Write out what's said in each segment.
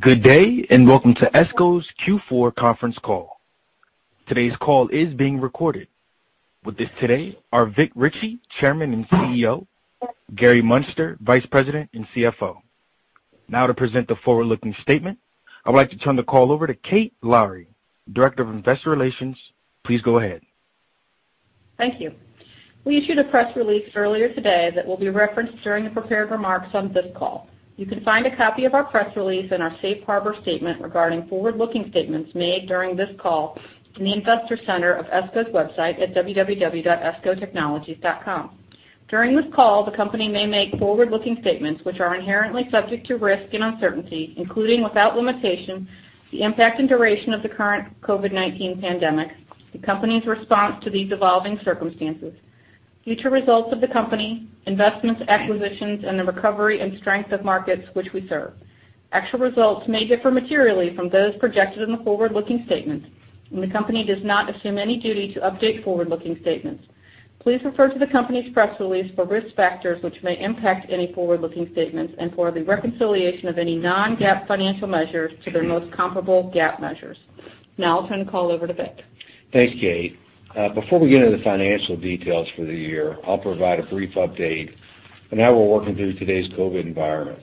Good day, and welcome to ESCO's Q4 conference call. Today's call is being recorded. With us today are Vic Richey, Chairman and CEO; Gary Muenster, Vice President and CFO. Now, to present the forward-looking statement, I would like to turn the call over to Kate Lowrey, Director of Investor Relations. Please go ahead. Thank you. We issued a press release earlier today that will be referenced during the prepared remarks on this call. You can find a copy of our press release and our safe harbor statement regarding forward-looking statements made during this call in the Investor Center of ESCO's website at www.escotechnologies.com. During this call, the company may make forward-looking statements, which are inherently subject to risk and uncertainty, including, without limitation, the impact and duration of the current COVID-19 pandemic, the company's response to these evolving circumstances, future results of the company, investments, acquisitions, and the recovery and strength of markets which we serve. Actual results may differ materially from those projected in the forward-looking statements, and the company does not assume any duty to update forward-looking statements. Please refer to the company's press release for risk factors which may impact any forward-looking statements and for the reconciliation of any non-GAAP financial measures to their most comparable GAAP measures. Now I'll turn the call over to Vic. Thanks, Kate. Before we get into the financial details for the year, I'll provide a brief update on how we're working through today's COVID environment.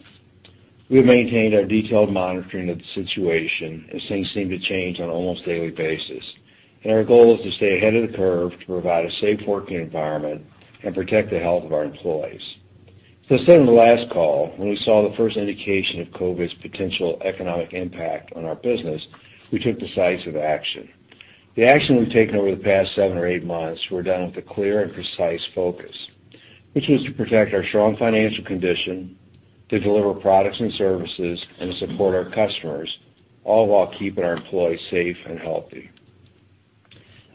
We have maintained our detailed monitoring of the situation as things seem to change on an almost daily basis, and our goal is to stay ahead of the curve to provide a safe working environment and protect the health of our employees. As I said on the last call, when we saw the first indication of COVID's potential economic impact on our business, we took decisive action. The action we've taken over the past seven or eight months were done with a clear and precise focus, which is to protect our strong financial condition, to deliver products and services, and support our customers, all while keeping our employees safe and healthy.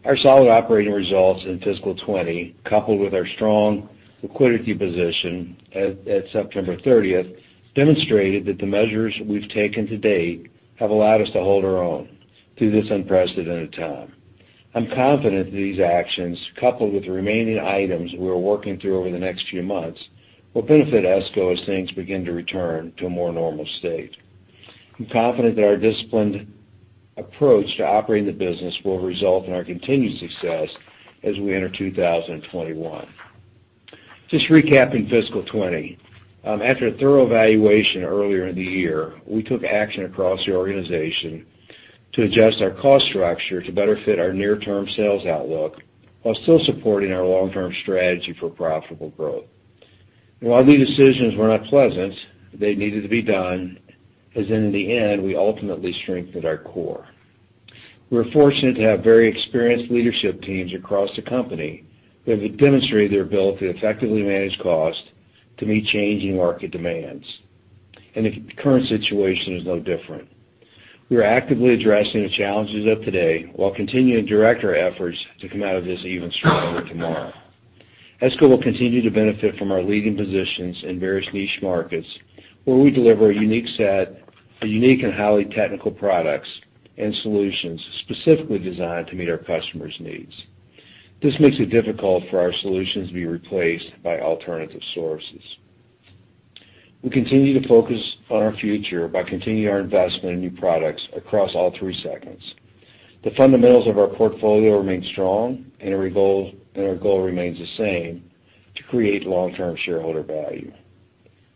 Our solid operating results in fiscal 2020, coupled with our strong liquidity position at September 30th, demonstrated that the measures we've taken to date have allowed us to hold our own through this unprecedented time. I'm confident that these actions, coupled with the remaining items we're working through over the next few months, will benefit ESCO as things begin to return to a more normal state. I'm confident that our disciplined approach to operating the business will result in our continued success as we enter 2021. Just recapping fiscal 2020. After a thorough evaluation earlier in the year, we took action across the organization to adjust our cost structure to better fit our near-term sales outlook, while still supporting our long-term strategy for profitable growth. While these decisions were not pleasant, they needed to be done, as in the end, we ultimately strengthened our core. We're fortunate to have very experienced leadership teams across the company who have demonstrated their ability to effectively manage costs to meet changing market demands, and the current situation is no different. We are actively addressing the challenges of today while continuing to direct our efforts to come out of this even stronger tomorrow. ESCO will continue to benefit from our leading positions in various niche markets, where we deliver a unique and highly technical products and solutions specifically designed to meet our customers' needs. This makes it difficult for our solutions to be replaced by alternative sources. We continue to focus on our future by continuing our investment in new products across all three segments. The fundamentals of our portfolio remain strong and our goal remains the same, to create long-term shareholder value.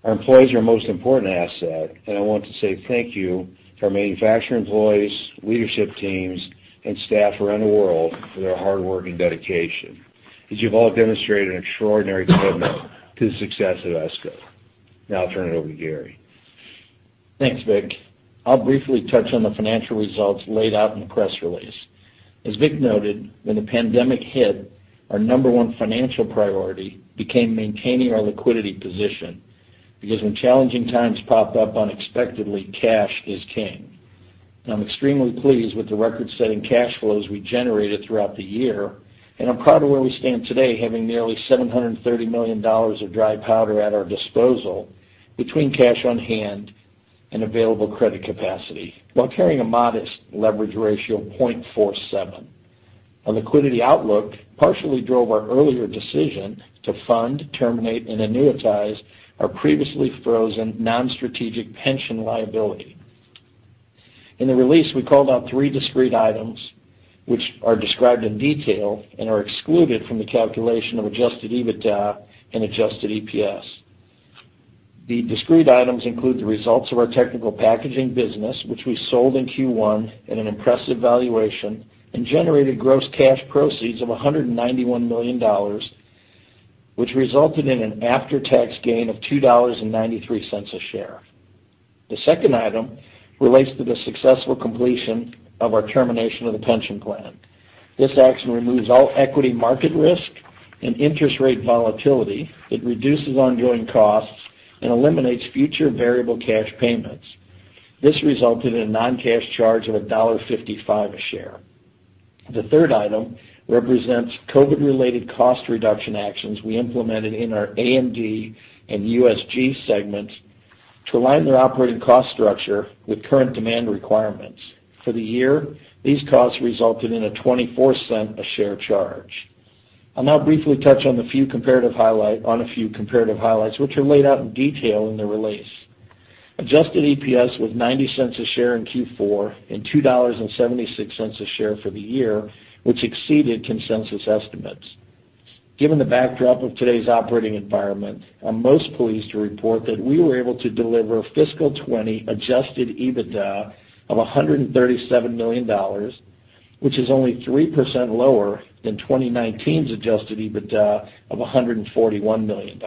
Our employees are our most important asset, and I want to say thank you to our manufacturing employees, leadership teams, and staff around the world for their hard work and dedication, as you've all demonstrated an extraordinary commitment to the success of ESCO. Now I'll turn it over to Gary. Thanks, Vic. I'll briefly touch on the financial results laid out in the press release. As Vic noted, when the pandemic hit, our number 1 financial priority became maintaining our liquidity position, because when challenging times pop up unexpectedly, cash is king. I'm extremely pleased with the record-setting cash flows we generated throughout the year, and I'm proud of where we stand today, having nearly $730 million of dry powder at our disposal between cash on hand and available credit capacity, while carrying a modest leverage ratio of 0.47. Our liquidity outlook partially drove our earlier decision to fund, terminate, and annuitize our previously frozen, non-strategic pension liability. In the release, we called out three discrete items, which are described in detail and are excluded from the calculation of adjusted EBITDA and adjusted EPS. The discrete items include the results of our Technical Packaging business, which we sold in Q1 at an impressive valuation and generated gross cash proceeds of $191 million, which resulted in an after-tax gain of $2.93 a share. The second item relates to the successful completion of our termination of the pension plan. This action removes all equity market risk and interest rate volatility. It reduces ongoing costs and eliminates future variable cash payments. This resulted in a non-cash charge of $1.55 a share. The third item represents COVID-related cost reduction actions we implemented in our A&D and USG segments to align their operating cost structure with current demand requirements. For the year, these costs resulted in a $0.24 a share charge. I'll now briefly touch on a few comparative highlights, which are laid out in detail in the release. Adjusted EPS was $0.90 per share in Q4 and $2.76 per share for the year, which exceeded consensus estimates. Given the backdrop of today's operating environment, I'm most pleased to report that we were able to deliver fiscal 2020 adjusted EBITDA of $137 million, which is only 3% lower than 2019's adjusted EBITDA of $141 million.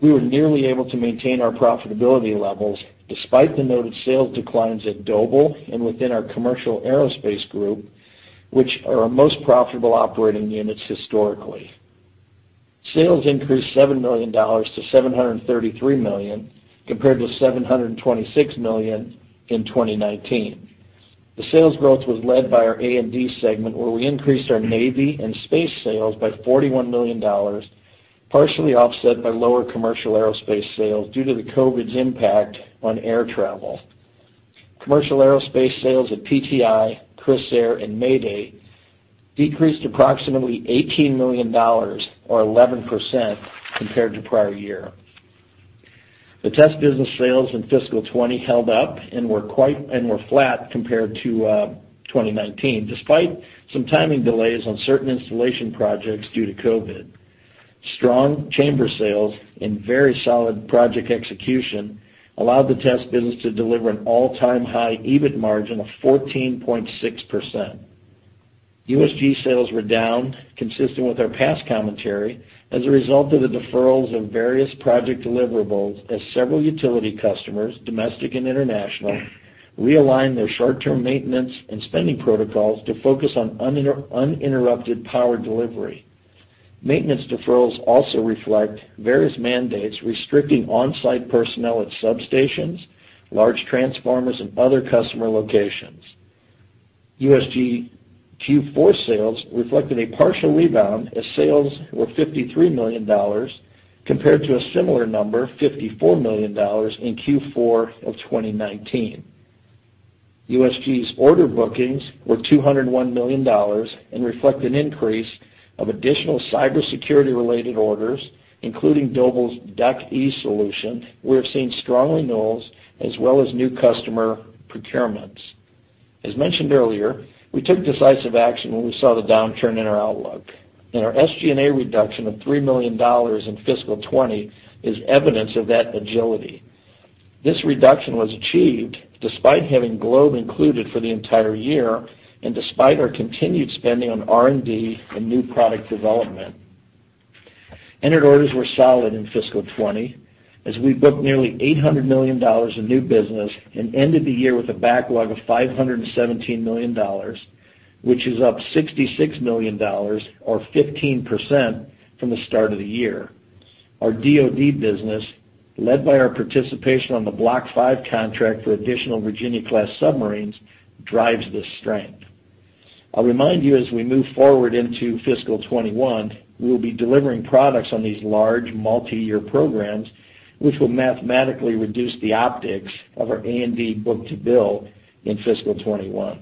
We were nearly able to maintain our profitability levels despite the noted sales declines at Doble and within our commercial aerospace group, which are our most profitable operating units historically. Sales increased $7 million to $733 million, compared to $726 million in 2019. The sales growth was led by our A&D segment, where we increased our Navy and space sales by $41 million, partially offset by lower commercial aerospace sales due to the COVID's impact on air travel. Commercial aerospace sales at PTI, Crissair, and Mayday decreased approximately $18 million or 11% compared to prior year. The Test business sales in fiscal 2020 held up and were quite flat compared to 2019, despite some timing delays on certain installation projects due to COVID. Strong chamber sales and very solid project execution allowed the Test business to deliver an all-time high EBIT margin of 14.6%. USG sales were down, consistent with our past commentary, as a result of the deferrals of various project deliverables, as several utility customers, domestic and international, realigned their short-term maintenance and spending protocols to focus on uninterrupted power delivery. Maintenance deferrals also reflect various mandates restricting on-site personnel at substations, large transformers, and other customer locations. USG Q4 sales reflected a partial rebound, as sales were $53 million, compared to a similar number, $54 million, in Q4 of 2019. USG's order bookings were $201 million and reflect an increase of additional cybersecurity-related orders, including Doble's DUCe solution, where we're seeing strong renewals as well as new customer procurements. As mentioned earlier, we took decisive action when we saw the downturn in our outlook, and our SG&A reduction of $3 million in fiscal 2020 is evidence of that agility. This reduction was achieved despite having Globe included for the entire year and despite our continued spending on R&D and new product development. Entered orders were solid in fiscal 2020, as we booked nearly $800 million in new business and ended the year with a backlog of $517 million, which is up $66 million or 15% from the start of the year. Our DoD business, led by our participation on the Block V contract for additional Virginia-class submarines, drives this strength. I'll remind you, as we move forward into fiscal 2021, we will be delivering products on these large, multiyear programs, which will mathematically reduce the optics of our A&D book-to-bill in fiscal 2021.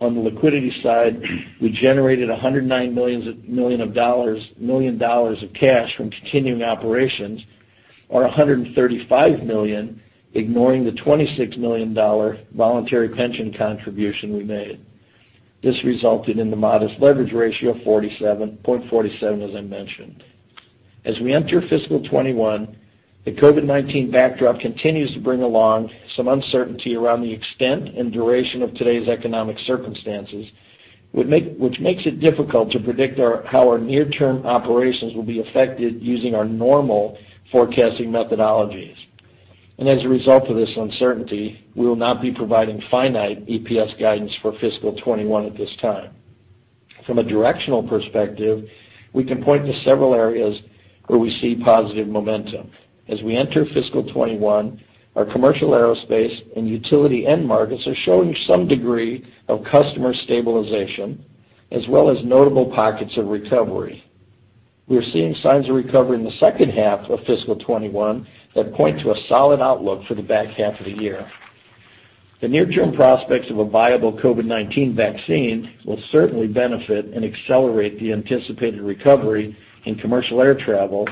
On the liquidity side, we generated $109 million of cash from continuing operations, or $135 million, ignoring the $26 million voluntary pension contribution we made. This resulted in the modest leverage ratio of 0.47, as I mentioned. As we enter fiscal 2021, the COVID-19 backdrop continues to bring along some uncertainty around the extent and duration of today's economic circumstances, which makes it difficult to predict our, how our near-term operations will be affected using our normal forecasting methodologies. As a result of this uncertainty, we will not be providing finite EPS guidance for fiscal 2021 at this time. From a directional perspective, we can point to several areas where we see positive momentum. As we enter fiscal 2021, our commercial aerospace and utility end markets are showing some degree of customer stabilization, as well as notable pockets of recovery. We are seeing signs of recovery in the second half of fiscal 2021 that point to a solid outlook for the back half of the year. The near-term prospects of a viable COVID-19 vaccine will certainly benefit and accelerate the anticipated recovery in commercial air travel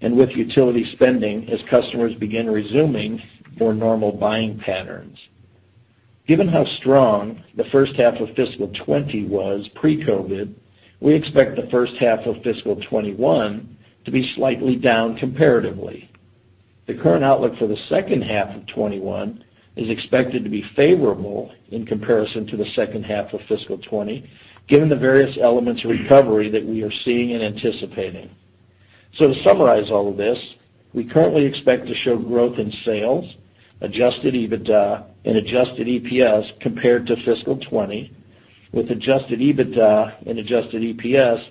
and with utility spending as customers begin resuming more normal buying patterns. Given how strong the first half of fiscal 2020 was pre-COVID, we expect the first half of fiscal 2021 to be slightly down comparatively. The current outlook for the second half of 2021 is expected to be favorable in comparison to the second half of fiscal 2020, given the various elements of recovery that we are seeing and anticipating. To summarize all of this, we currently expect to show growth in sales, adjusted EBITDA, and adjusted EPS compared to fiscal 2020, with adjusted EBITDA and adjusted EPS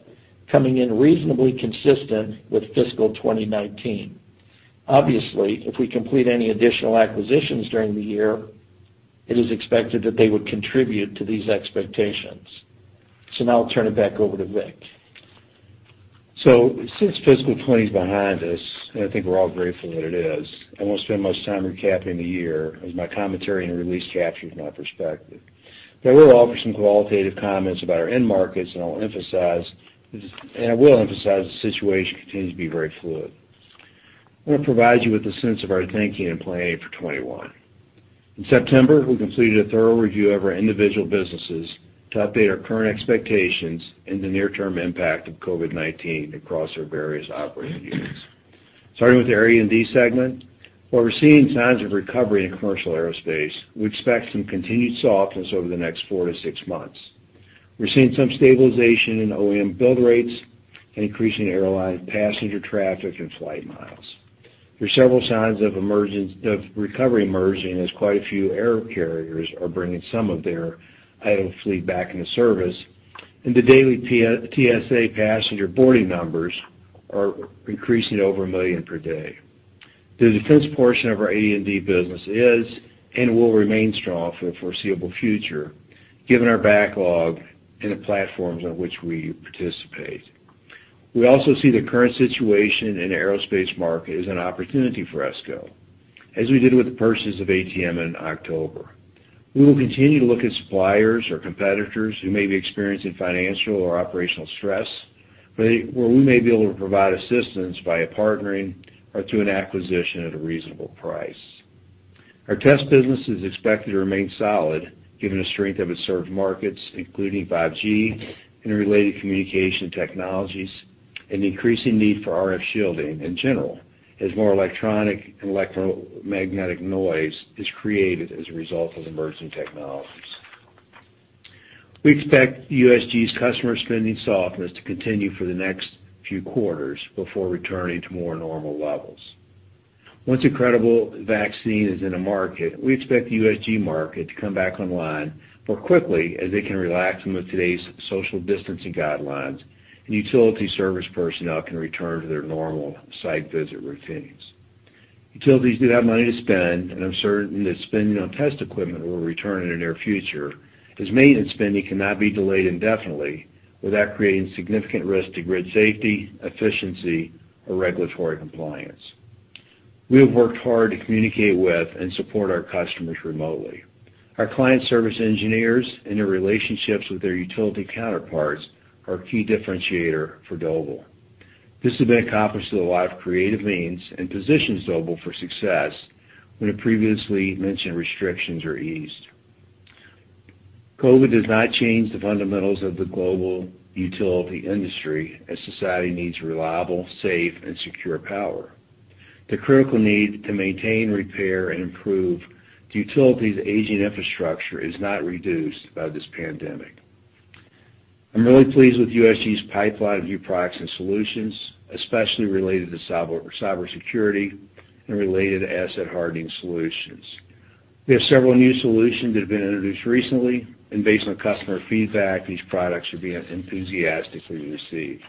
coming in reasonably consistent with fiscal 2019. Obviously, if we complete any additional acquisitions during the year, it is expected that they would contribute to these expectations. Now I'll turn it back over to Vic. ...So since fiscal 2020 is behind us, and I think we're all grateful that it is, I won't spend much time recapping the year, as my commentary and release captures my perspective. But I will offer some qualitative comments about our end markets, and I'll emphasize, and I will emphasize the situation continues to be very fluid. I want to provide you with a sense of our thinking and planning for 2021. In September, we completed a thorough review of our individual businesses to update our current expectations and the near-term impact of COVID-19 across our various operating units. Starting with the A&D segment, while we're seeing signs of recovery in commercial aerospace, we expect some continued softness over the next four-six months. We're seeing some stabilization in OEM build rates and increasing airline passenger traffic and flight miles. There are several signs of emergence of recovery emerging, as quite a few air carriers are bringing some of their idle fleet back into service, and the daily TSA passenger boarding numbers are increasing over 1 million per day. The defense portion of our A&D business is and will remain strong for the foreseeable future, given our backlog and the platforms on which we participate. We also see the current situation in the aerospace market as an opportunity for ESCO, as we did with the purchase of ATM in October. We will continue to look at suppliers or competitors who may be experiencing financial or operational stress, where they, where we may be able to provide assistance via partnering or through an acquisition at a reasonable price. Our Test business is expected to remain solid, given the strength of its served markets, including 5G and related communication technologies, and the increasing need for RF shielding in general, as more electronic and electromagnetic noise is created as a result of emerging technologies. We expect USG's customer spending softness to continue for the next few quarters before returning to more normal levels. Once a credible vaccine is in the market, we expect the USG market to come back online more quickly as they can relax from today's social distancing guidelines, and utility service personnel can return to their normal site visit routines. Utilities do have money to spend, and I'm certain that spending on Test equipment will return in the near future, as maintenance spending cannot be delayed indefinitely without creating significant risk to grid safety, efficiency, or regulatory compliance. We have worked hard to communicate with and support our customers remotely. Our client service engineers and their relationships with their utility counterparts are a key differentiator for Doble. This has been accomplished through a lot of creative means and positions Doble for success when the previously mentioned restrictions are eased. COVID does not change the fundamentals of the global utility industry, as society needs reliable, safe, and secure power. The critical need to maintain, repair, and improve the utility's aging infrastructure is not reduced by this pandemic. I'm really pleased with USG's pipeline of new products and solutions, especially related to cyber, cybersecurity and related asset hardening solutions. We have several new solutions that have been introduced recently, and based on customer feedback, these products are being enthusiastically received.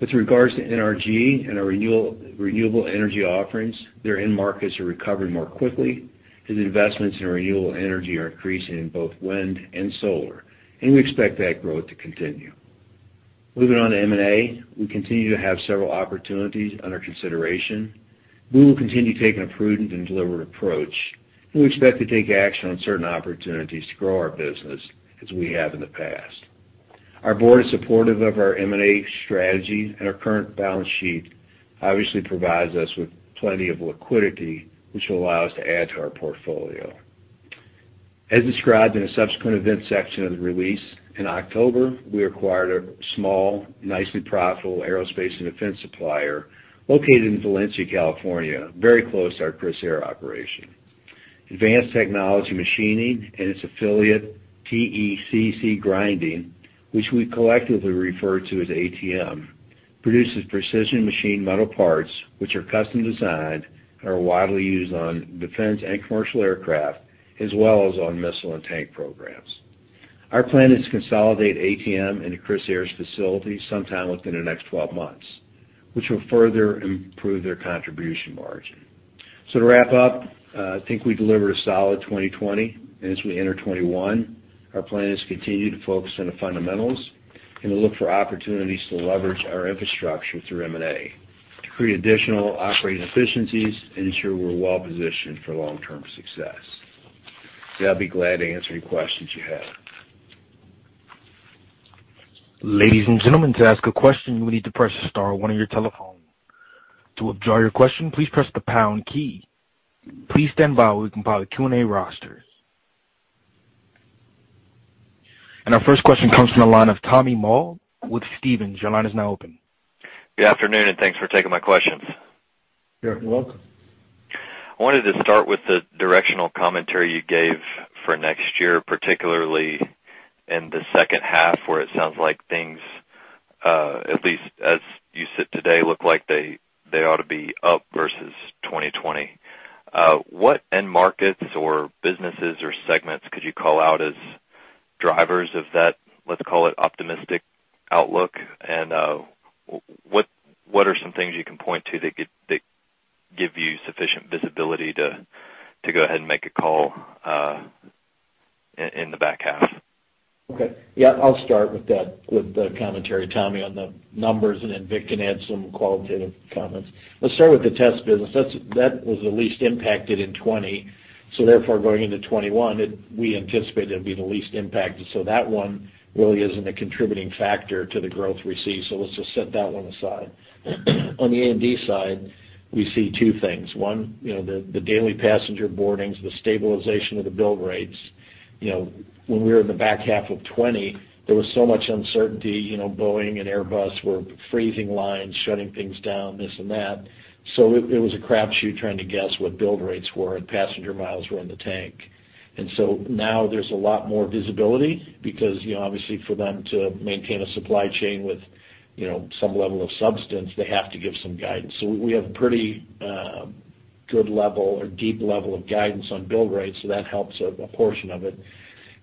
With regards to NRG and our renewable energy offerings, their end markets are recovering more quickly, and investments in renewable energy are increasing in both wind and solar, and we expect that growth to continue. Moving on to M&A, we continue to have several opportunities under consideration. We will continue taking a prudent and deliberate approach, and we expect to take action on certain opportunities to grow our business as we have in the past. Our Board is supportive of our M&A strategy, and our current balance sheet obviously provides us with plenty of liquidity, which will allow us to add to our portfolio. As described in the Subsequent Events section of the release, in October, we acquired a small, nicely profitable aerospace and defense supplier located in Valencia, California, very close to our Crissair operation. Advanced Technology Machining and its affiliate, TECC Grinding, which we collectively refer to as ATM, produces precision machined metal parts, which are custom designed and are widely used on defense and commercial aircraft, as well as on missile and tank programs. Our plan is to consolidate ATM into Crissair's facility sometime within the next 12 months, which will further improve their contribution margin. So to wrap up, I think we delivered a solid 2020, and as we enter 2021, our plan is to continue to focus on the fundamentals and to look for opportunities to leverage our infrastructure through M&A, to create additional operating efficiencies and ensure we're well positioned for long-term success. So I'll be glad to answer any questions you have. Ladies and gentlemen, to ask a question, you will need to press star one on your telephone. To withdraw your question, please press the pound key. Please stand by while we compile the Q&A roster. Our first question comes from the line of Tommy Moll with Stephens. Your line is now open. Good afternoon, and thanks for taking my questions. You're welcome. I wanted to start with the directional commentary you gave for next year, particularly in the second half, where it sounds like things, at least as you sit today, look like they, they ought to be up versus 2020. What end markets or businesses or segments could you call out as drivers of that, let's call it, optimistic outlook? And, what, what are some things you can point to that give, that give you sufficient visibility to, to go ahead and make a call, in, in the back half? Okay. Yeah, I'll start with that, with the commentary, Tommy, on the numbers, and then Vic can add some qualitative comments. Let's start with the Test business. That was the least impacted in 2020, so therefore, going into 2021, we anticipate it'll be the least impacted. So that one really isn't a contributing factor to the growth we see. So let's just set that one aside. On the A&D side, we see two things. One, you know, the daily passenger boardings, the stabilization of the build rates. You know, when we were in the back half of 2020, there was so much uncertainty, you know, Boeing and Airbus were freezing lines, shutting things down, this and that. So it was a crapshoot trying to guess what build rates were, and passenger miles were in the tank. So now there's a lot more visibility because, you know, obviously, for them to maintain a supply chain with, you know, some level of substance, they have to give some guidance. So we have a pretty good level or deep level of guidance on build rates, so that helps a portion of it.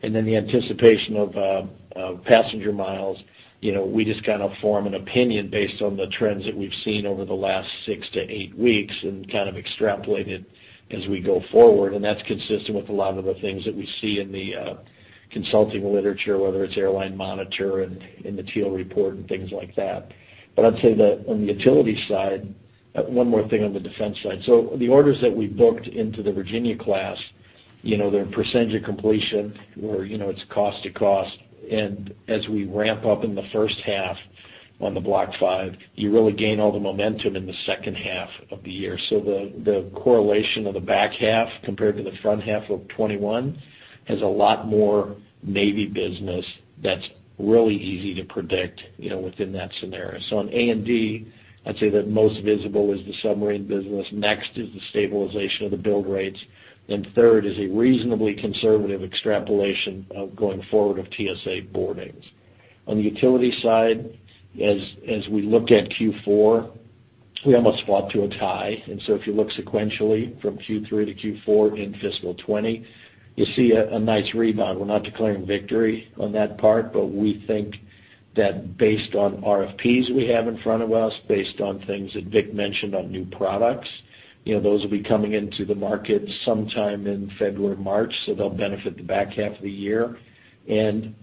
And then the anticipation of passenger miles, you know, we just kind of form an opinion based on the trends that we've seen over the last six-eight weeks and kind of extrapolate it as we go forward. And that's consistent with a lot of the things that we see in the consulting literature, whether it's Airline Monitor and in the Teal Report and things like that. But I'd say that on the utility side... One more thing on the defense side. So the orders that we booked into the Virginia-class, you know, their percentage of completion, or, you know, it's cost to cost. And as we ramp up in the first half on the Block V, you really gain all the momentum in the second half of the year. So the correlation of the back half compared to the front half of 2021 has a lot more Navy business that's really easy to predict, you know, within that scenario. So on A&D, I'd say the most visible is the submarine business. Next is the stabilization of the build rates, and third is a reasonably conservative extrapolation of going forward of TSA boardings. On the utility side, as we look at Q4, we almost fought to a tie. And so if you look sequentially from Q3 to Q4 in fiscal 2020, you see a nice rebound. We're not declaring victory on that part, but we think that based on RFPs we have in front of us, based on things that Vic mentioned on new products, you know, those will be coming into the market sometime in February, March, so they'll benefit the back half of the year. And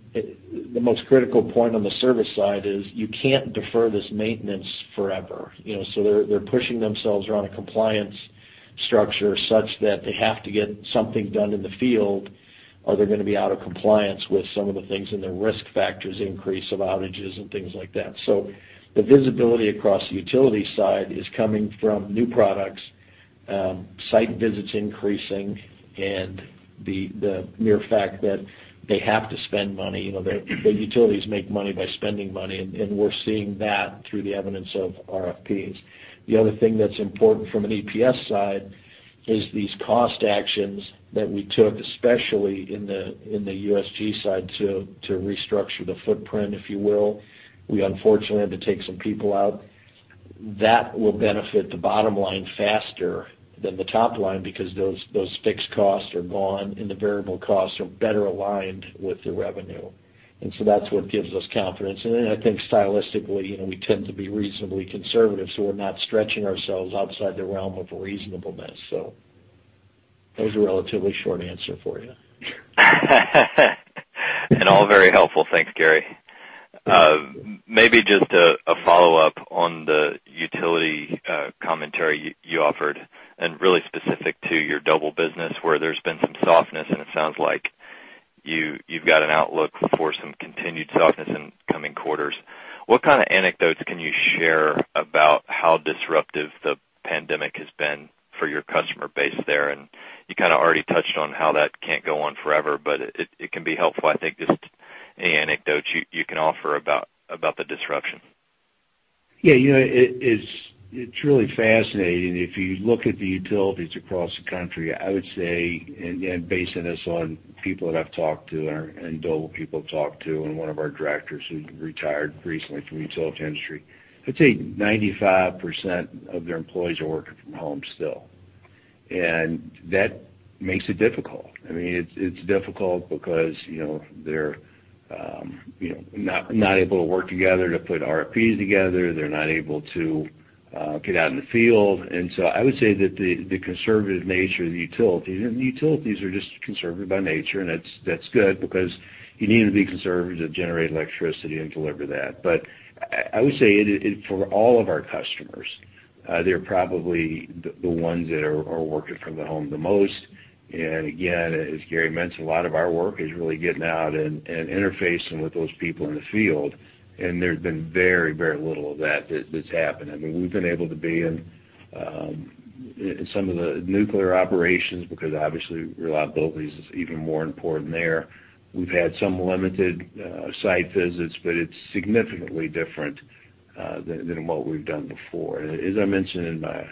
the most critical point on the service side is, you can't defer this maintenance forever. You know, so they're pushing themselves around a compliance structure such that they have to get something done in the field, or they're going to be out of compliance with some of the things, and their risk factors increase of outages and things like that. So the visibility across the utility side is coming from new products, site visits increasing, and the mere fact that they have to spend money. You know, the utilities make money by spending money, and we're seeing that through the evidence of RFPs. The other thing that's important from an EPS side is these cost actions that we took, especially in the USG side, to restructure the footprint, if you will. We unfortunately had to take some people out. That will benefit the bottom line faster than the top line because those fixed costs are gone, and the variable costs are better aligned with the revenue. And so that's what gives us confidence. And then I think stylistically, you know, we tend to be reasonably conservative, so we're not stretching ourselves outside the realm of reasonableness. So that was a relatively short answer for you. All very helpful. Thanks, Gary. Maybe just a follow-up on the utility commentary you offered, and really specific to your Doble business, where there's been some softness, and it sounds like you've got an outlook for some continued softness in coming quarters. What kind of anecdotes can you share about how disruptive the pandemic has been for your customer base there? And you kind of already touched on how that can't go on forever, but it can be helpful, I think, just any anecdotes you can offer about the disruption. Yeah, you know, it's really fascinating. If you look at the utilities across the country, I would say, basing this on people that I've talked to and Doble people I've talked to, and one of our directors who retired recently from the utility industry, I'd say 95% of their employees are working from home still. And that makes it difficult. I mean, it's difficult because, you know, they're not able to work together to put RFPs together. They're not able to get out in the field. And so I would say that the conservative nature of the utilities, and utilities are just conservative by nature, and that's good because you need to be conservative to generate electricity and deliver that. But I would say it for all of our customers, they're probably the ones that are working from their home the most. And again, as Gary mentioned, a lot of our work is really getting out and interfacing with those people in the field, and there's been very, very little of that that's happened. I mean, we've been able to be in in some of the nuclear operations, because obviously, reliability is even more important there. We've had some limited site visits, but it's significantly different than what we've done before. As I mentioned in my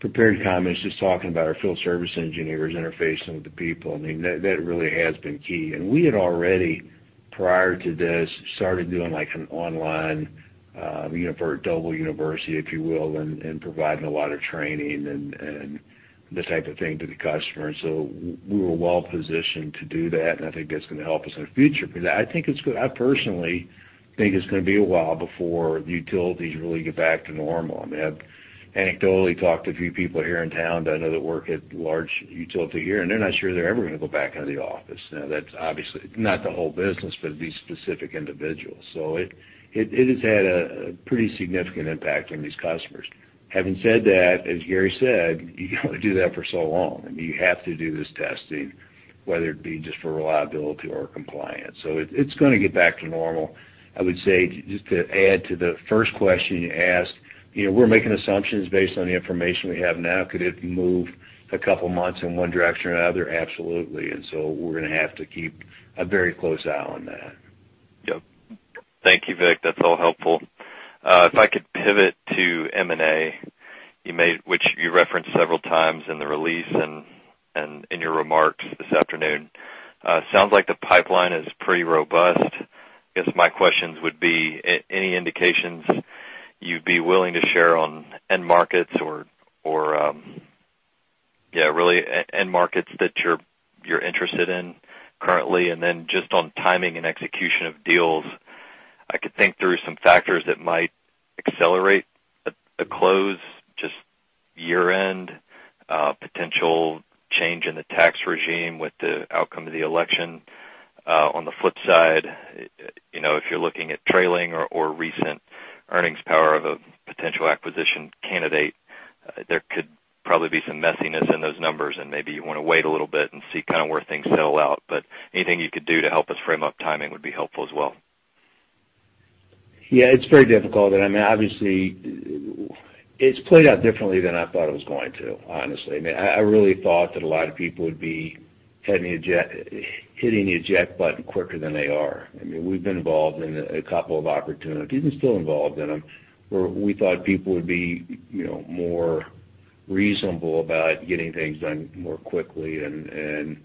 prepared comments, just talking about our field service engineers interfacing with the people, I mean, that really has been key. And we had already...... Prior to this, started doing like an online, you know, virtual university, if you will, and providing a lot of training and this type of thing to the customer. So we were well positioned to do that, and I think that's going to help us in the future. But I think it's good. I personally think it's going to be a while before the utilities really get back to normal. I mean, I've anecdotally talked to a few people here in town that I know that work at large utility here, and they're not sure they're ever going to go back into the office. Now, that's obviously not the whole business, but these specific individuals. So it has had a pretty significant impact on these customers. Having said that, as Gary said, you can only do that for so long. I mean, you have to do this testing, whether it be just for reliability or compliance. So it, it's going to get back to normal. I would say, just to add to the first question you asked, you know, we're making assumptions based on the information we have now. Could it move a couple months in one direction or another? Absolutely. And so we're going to have to keep a very close eye on that. Yep. Thank you, Vic. That's all helpful. If I could pivot to M&A, which you referenced several times in the release and in your remarks this afternoon. Sounds like the pipeline is pretty robust. I guess my questions would be, any indications you'd be willing to share on end markets or, yeah, really, end markets that you're interested in currently? And then just on timing and execution of deals, I could think through some factors that might accelerate a close, just year-end, potential change in the tax regime with the outcome of the election. On the flip side, you know, if you're looking at trailing or recent earnings power of a potential acquisition candidate, there could probably be some messiness in those numbers, and maybe you want to wait a little bit and see kind of where things settle out. But anything you could do to help us frame up timing would be helpful as well. Yeah, it's very difficult. I mean, obviously, it's played out differently than I thought it was going to, honestly. I mean, I, I really thought that a lot of people would be hitting the eject, hitting the eject button quicker than they are. I mean, we've been involved in a couple of opportunities and still involved in them, where we thought people would be, you know, more reasonable about getting things done more quickly and, and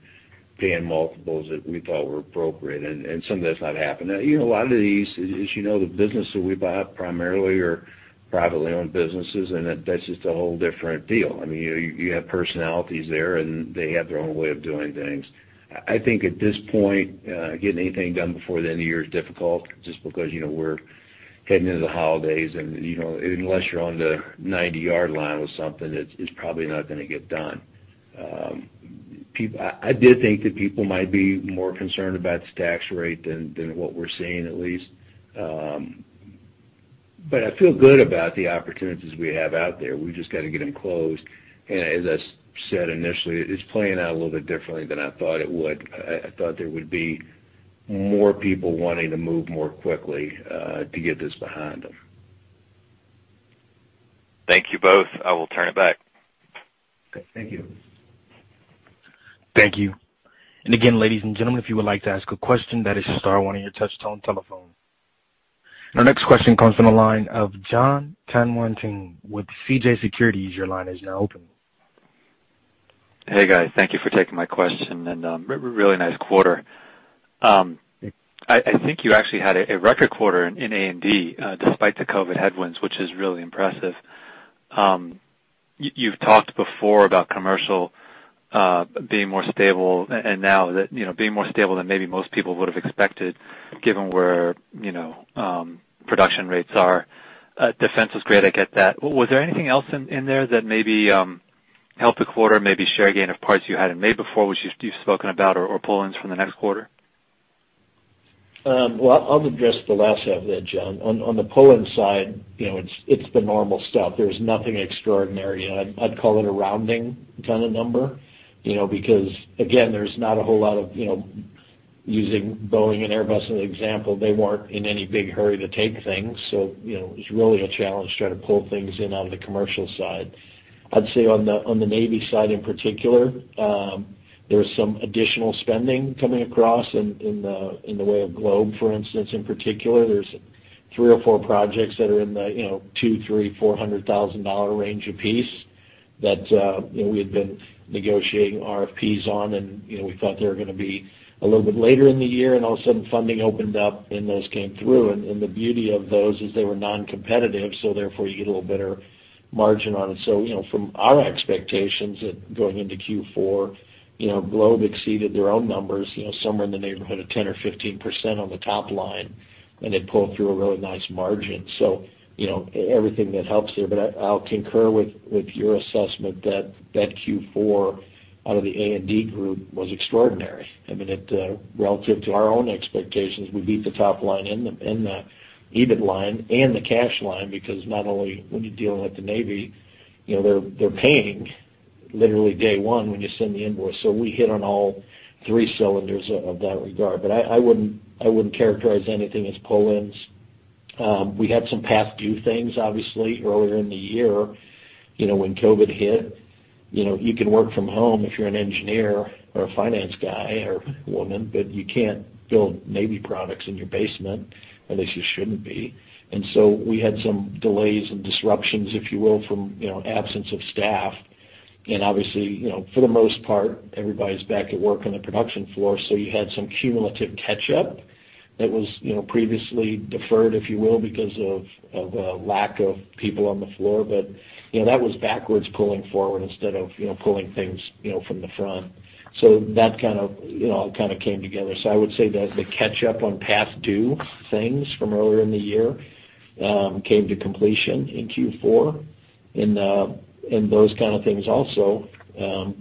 paying multiples that we thought were appropriate. And, and some of that's not happened. You know, a lot of these, as you know, the businesses we buy up primarily are privately owned businesses, and that's just a whole different deal. I mean, you, you have personalities there, and they have their own way of doing things. I think at this point, getting anything done before the end of the year is difficult just because, you know, we're heading into the holidays and, you know, unless you're on the 90-yard line with something, it's probably not going to get done. I did think that people might be more concerned about this tax rate than what we're seeing, at least. But I feel good about the opportunities we have out there. We just got to get them closed. And as I said initially, it's playing out a little bit differently than I thought it would. I thought there would be more people wanting to move more quickly to get this behind them. Thank you both. I will turn it back. Okay. Thank you. Thank you. And again, ladies and gentlemen, if you would like to ask a question, that is star one on your touchtone telephone. Our next question comes from the line of Jon Tanwanteng with CJS Securities. Your line is now open. Hey, guys. Thank you for taking my question, and really nice quarter. I think you actually had a record quarter in A&D, despite the COVID headwinds, which is really impressive. You've talked before about commercial being more stable, and now that, you know, being more stable than maybe most people would have expected, given where, you know, production rates are. Defense is great, I get that. Was there anything else in there that maybe helped the quarter, maybe share gain of parts you hadn't made before, which you've spoken about, or pull-ins from the next quarter? Well, I'll address the last half of that, Jon. On the pull-in side, you know, it's the normal stuff. There's nothing extraordinary. I'd call it a rounding kind of number, you know, because, again, there's not a whole lot of, you know, using Boeing and Airbus as an example, they weren't in any big hurry to take things. So, you know, it's really a challenge trying to pull things in on the commercial side. I'd say on the Navy side, in particular, there's some additional spending coming across in the way of Globe, for instance, in particular. There's three or four projects that are in the, you know, $200,000-$400,000 range apiece that, you know, we had been negotiating RFPs on, and, you know, we thought they were going to be a little bit later in the year, and all of a sudden, funding opened up, and those came through. And the beauty of those is they were non-competitive, so therefore, you get a little better margin on it. So, you know, from our expectations at going into Q4, you know, Globe exceeded their own numbers, you know, somewhere in the neighborhood of 10%-15% on the top line, and they pulled through a really nice margin. So, you know, everything that helps there. But I'll concur with your assessment that Q4 out of the A&D group was extraordinary. I mean, it, relative to our own expectations, we beat the top line and the, and the EBIT line and the cash line, because not only when you're dealing with the Navy, you know, they're, they're paying literally day one when you send the invoice. So we hit on all three cylinders of, of that regard. But I, I wouldn't, I wouldn't characterize anything as pull-ins. We had some past due things, obviously, earlier in the year, you know, when COVID hit. You know, you can work from home if you're an engineer or a finance guy or woman, but you can't build Navy products in your basement, at least you shouldn't be. And so we had some delays and disruptions, if you will, from, you know, absence of staff. Obviously, you know, for the most part, everybody's back at work on the production floor, so you had some cumulative catch up that was, you know, previously deferred, if you will, because of a lack of people on the floor. But, you know, that was backwards pulling forward instead of, you know, pulling things, you know, from the front. So that kind of, you know, all kind of came together. I would say that the catch up on past due things from earlier in the year came to completion in Q4, and those kind of things also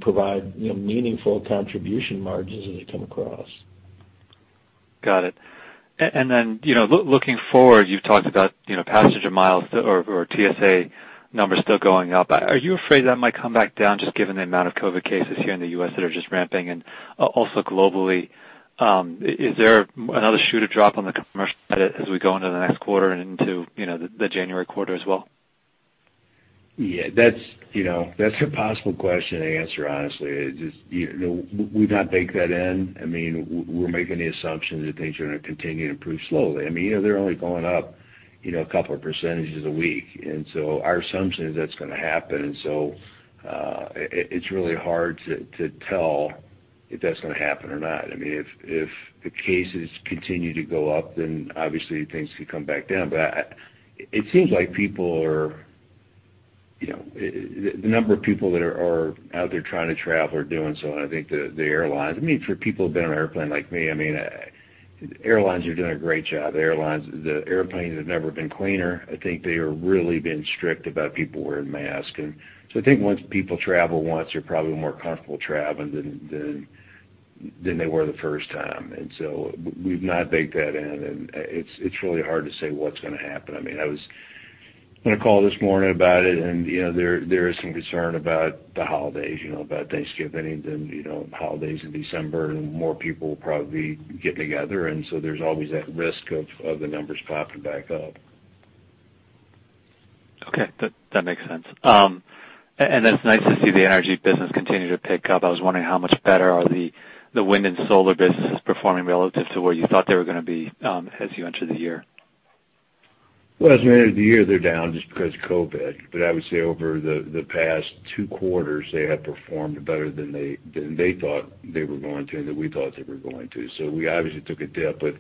provide, you know, meaningful contribution margins as they come across. Got it. And then, you know, looking forward, you've talked about, you know, passenger miles or TSA numbers still going up. Are you afraid that might come back down, just given the amount of COVID cases here in the U.S. that are just ramping? And also globally, is there another shoe to drop on the commercial side as we go into the next quarter and into, you know, the January quarter as well? Yeah, that's, you know, that's a possible question to answer, honestly. It just, you know, we've not baked that in. I mean, we're making the assumption that things are going to continue to improve slowly. I mean, you know, they're only going up, you know, a couple of percentages a week, and so our assumption is that's going to happen. And so, it, it's really hard to tell if that's going to happen or not. I mean, if the cases continue to go up, then obviously things could come back down. But it seems like people are, you know, the number of people that are out there trying to travel are doing so. And I think the airlines, I mean, for people who've been on an airplane like me, I mean, airlines are doing a great job. Airlines—the airplanes have never been cleaner. I think they are really been strict about people wearing masks. And so I think once people travel once, they're probably more comfortable traveling than they were the first time. And so we've not baked that in, and it's really hard to say what's going to happen. I mean, I was on a call this morning about it, and, you know, there is some concern about the holidays, you know, about Thanksgiving and, you know, holidays in December, and more people will probably get together, and so there's always that risk of the numbers popping back up. Okay, that makes sense. It's nice to see the energy business continue to pick up. I was wondering, how much better are the wind and solar businesses performing relative to where you thought they were going to be, as you entered the year? Well, as a matter of the year, they're down just because of COVID. But I would say over the past two quarters, they have performed better than they thought they were going to, and that we thought they were going to. So we obviously took a dip with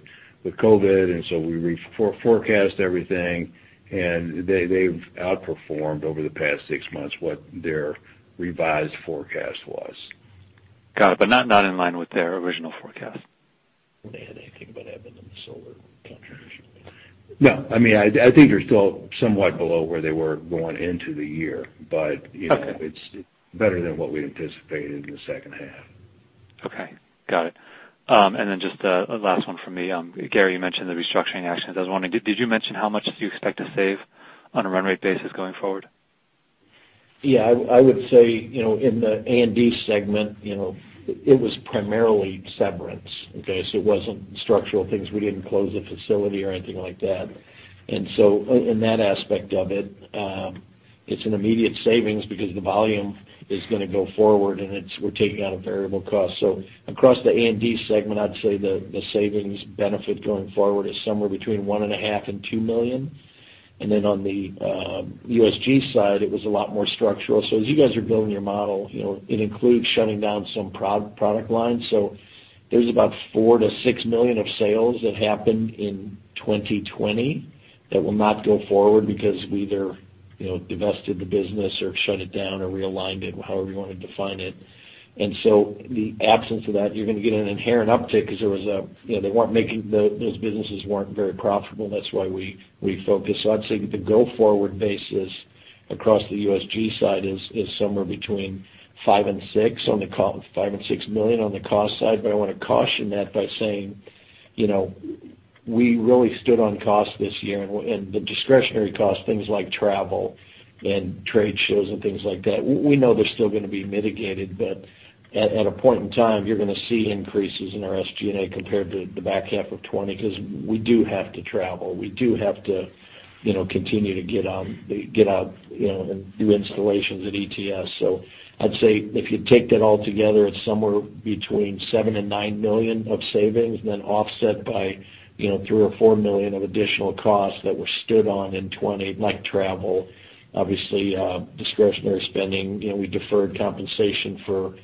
COVID, and so we forecast everything, and they've outperformed over the past six months what their revised forecast was. Got it. But not in line with their original forecast? When they had anything but having them in the solar contribution. No, I mean, I, I think they're still somewhat below where they were going into the year, but, you know- Okay. - It's better than what we anticipated in the second half. Okay. Got it. And then just a last one from me. Gary, you mentioned the restructuring action. I was wondering, did you mention how much do you expect to save on a run rate basis going forward? Yeah. I would say, you know, in the A&D segment, you know, it was primarily severance, okay? So it wasn't structural things. We didn't close a facility or anything like that. And so in that aspect of it, it's an immediate savings because the volume is going to go forward, and it's, we're taking on a variable cost. So across the A&D segment, I'd say the savings benefit going forward is somewhere between $1.5 million-$2 million. And then on the USG side, it was a lot more structural. So as you guys are building your model, you know, it includes shutting down some product lines. So there's about $4 million-$6 million of sales that happened in 2020 that will not go forward because we either, you know, divested the business or shut it down or realigned it, however you want to define it. And so the absence of that, you're going to get an inherent uptick because there was a, you know, they weren't making, those businesses weren't very profitable. That's why we focused. So I'd say the go-forward basis across the USG side is somewhere between 5 and 6 on the 5 and 6 million on the cost side. But I want to caution that by saying, you know, we really stood on cost this year, and the discretionary costs, things like travel and trade shows and things like that, we know they're still going to be mitigated, but at a point in time, you're going to see increases in our SG&A compared to the back half of 2020, because we do have to travel. We do have to, you know, continue to get out, you know, and do installations at ETS. So I'd say if you take that all together, it's somewhere between $7 million and $9 million of savings, and then offset by, you know, $3 million or $4 million of additional costs that were stood on in 2020, like travel, obviously, discretionary spending. You know, we deferred compensation for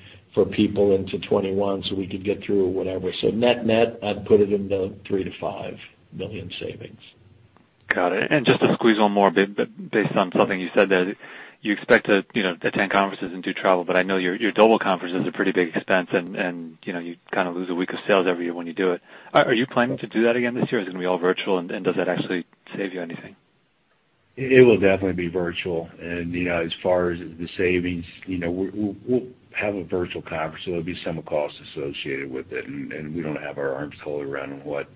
people into 2021, so we could get through whatever. Net-net, I'd put it in the $3 million-$5 million savings. Got it. And just to squeeze one more, based on something you said, that you expect to, you know, attend conferences and do travel, but I know your, your Doble conference is a pretty big expense, and, and, you know, you kind of lose a week of sales every year when you do it. Are you planning to do that again this year, or is it going to be all virtual, and does that actually save you anything? It will definitely be virtual. And you know, as far as the savings, you know, we'll have a virtual conference, so there'll be some costs associated with it. And we don't have our arms totally around on what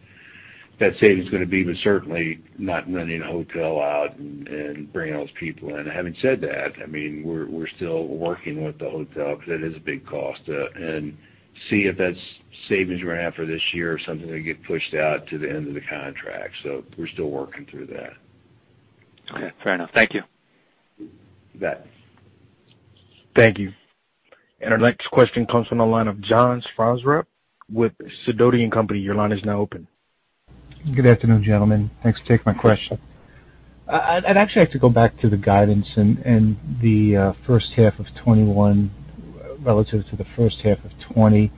that savings is going to be, but certainly not renting a hotel out and bringing all those people in. Having said that, I mean, we're still working with the hotel because that is a big cost and see if that's savings we're going to have for this year or something that get pushed out to the end of the contract. So we're still working through that. Okay, fair enough. Thank you. You bet. Thank you. Our next question comes from the line of John Franzreb with Sidoti & Company. Your line is now open. Good afternoon, gentlemen. Thanks to take my question. I'd actually like to go back to the guidance and the first half of 2021 relative to the first half of 2020.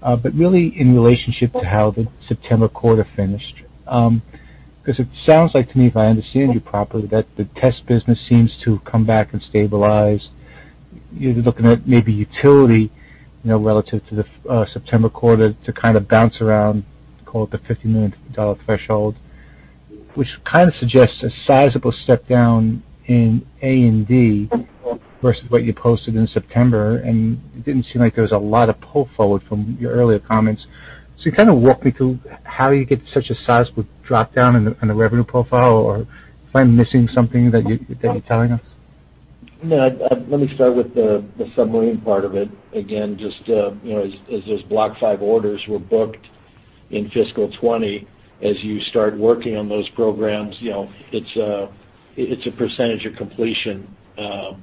But really, in relationship to how the September quarter finished. Because it sounds like to me, if I understand you properly, that the Test business seems to come back and stabilize. You're looking at maybe Utility, you know, relative to the September quarter to kind of bounce around, call it the $50 million threshold, which kind of suggests a sizable step down in A&D versus what you posted in September, and it didn't seem like there was a lot of pull forward from your earlier comments. Kind of walk me through how you get such a sizable drop down in the revenue profile, or am I missing something that you're telling us? No. Let me start with the submarine part of it. Again, just, you know, as those Block V orders were booked in fiscal 2020, as you start working on those programs, you know, it's a percentage of completion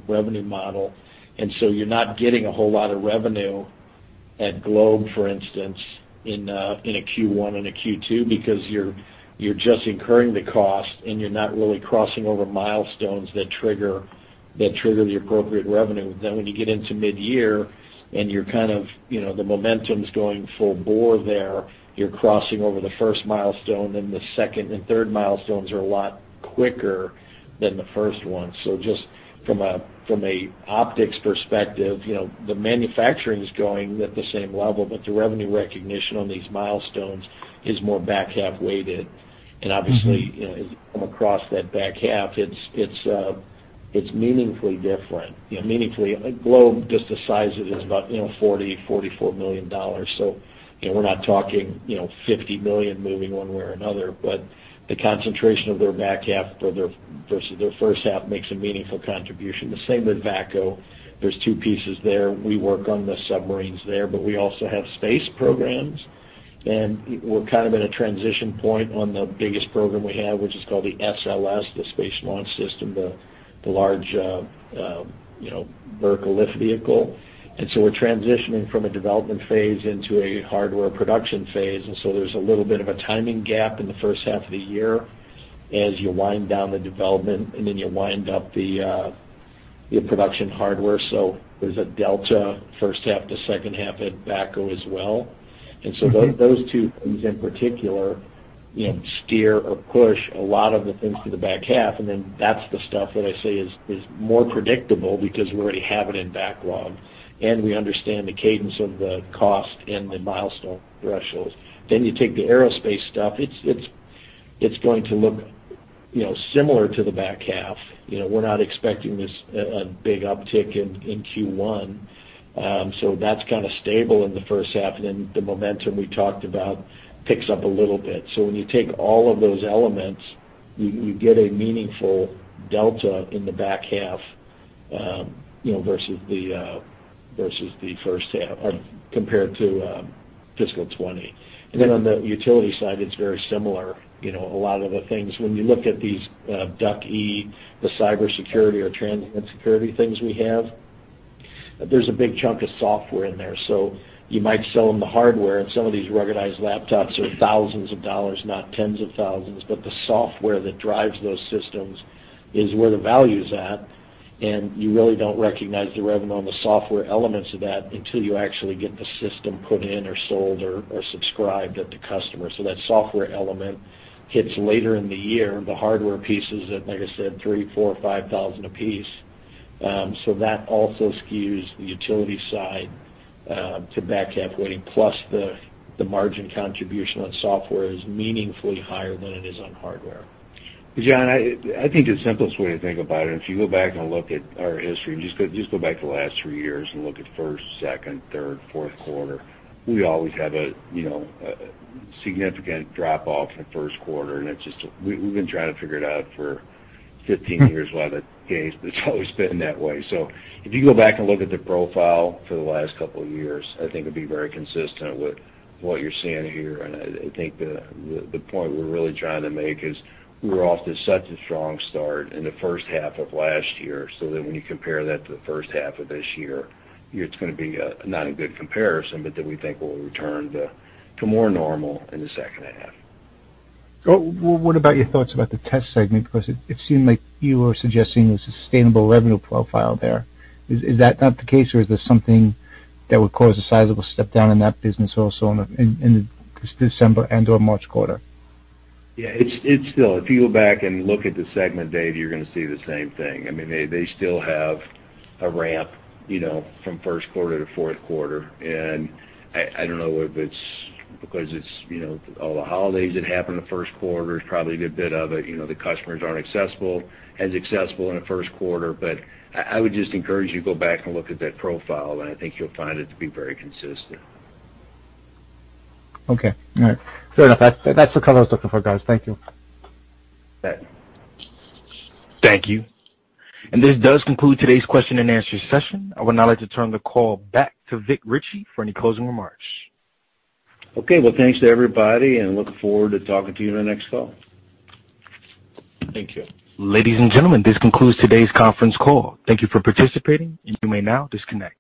revenue model. And so you're not getting a whole lot of revenue at Globe, for instance, in a Q1 and a Q2, because you're just incurring the cost, and you're not really crossing over milestones that trigger the appropriate revenue. Then when you get into mid-year and you're kind of, you know, the momentum's going full bore there, you're crossing over the first milestone, then the second and third milestones are a lot quicker than the first one. Just from a optics perspective, you know, the manufacturing is going at the same level, but the revenue recognition on these milestones is more back-half weighted. Mm-hmm. Obviously, you know, from across that back half, it's meaningfully different. You know, meaningfully, Globe, just the size of it is about $44 million. So, you know, we're not talking $50 million moving one way or another. But the concentration of their back half versus their first half makes a meaningful contribution. The same with VACCO. There's two pieces there. We work on the submarines there, but we also have space programs, and we're kind of in a transition point on the biggest program we have, which is called the SLS, the Space Launch System, the large vertical lift vehicle. So we're transitioning from a development phase into a hardware production phase, and so there's a little bit of a timing gap in the first half of the year as you wind down the development, and then you wind up the, the production hardware. So there's a delta, first half to second half at VACCO as well. Mm-hmm. And so those two things in particular, you know, steer or push a lot of the things to the back half. And then that's the stuff that I say is more predictable because we already have it in backlog, and we understand the cadence of the cost and the milestone thresholds. Then you take the aerospace stuff, it's going to look, you know, similar to the back half. You know, we're not expecting a big uptick in Q1. So that's kind of stable in the first half, and then the momentum we talked about picks up a little bit. So when you take all of those elements, you get a meaningful delta in the back half, you know, versus the first half, or compared to fiscal 2020. And then on the utility side, it's very similar. You know, a lot of the things, when you look at these, DUCe, the cybersecurity or transit security things we have, there's a big chunk of software in there. So you might sell them the hardware, and some of these ruggedized laptops are thousands of dollars, not tens of thousands. But the software that drives those systems is where the value is at, and you really don't recognize the revenue on the software elements of that until you actually get the system put in, or sold, or, or subscribed at the customer. So that software element hits later in the year. The hardware pieces that, like I said, $3,000, $4,000, $5,000 a piece. So that also skews the utility side to back-half weighting, plus the margin contribution on software is meaningfully higher than it is on hardware. John, I think the simplest way to think about it, if you go back and look at our history, and just go back to the last three years and look at first, second, third, fourth quarter, we always have a, you know, a significant drop-off in the first quarter, and it's just... We, we've been trying to figure it out for 15 years. Why the case, but it's always been that way. So if you go back and look at the profile for the last couple of years, I think it'd be very consistent with what you're seeing here. And I think the point we're really trying to make is, we're off to such a strong start in the first half of last year, so that when you compare that to the first half of this year, it's going to be a not a good comparison, but that we think will return to more normal in the second half. Well, what about your thoughts about the Test segment? Because it seemed like you were suggesting a sustainable revenue profile there. Is that not the case, or is there something that would cause a sizable step down in that business also in the December and or March quarter? Yeah, it's still, if you go back and look at the segment, Dave, you're going to see the same thing. I mean, they still have a ramp, you know, from first quarter to fourth quarter. And I don't know if it's because it's, you know, all the holidays that happen in the first quarter; it's probably a good bit of it. You know, the customers aren't as accessible in the first quarter. But I would just encourage you to go back and look at that profile, and I think you'll find it to be very consistent. Okay. All right, fair enough. That, that's the color I was looking for, guys. Thank you. You bet. Thank you. This does conclude today's question and answer session. I would now like to turn the call back to Vic Richey for any closing remarks. Okay. Well, thanks to everybody, and looking forward to talking to you in the next call. Thank you. Ladies and gentlemen, this concludes today's conference call. Thank you for participating, and you may now disconnect.